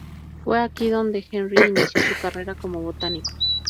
Fue aquí donde Henry inició su carrera como botánico.